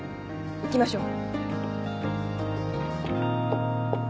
行きましょう。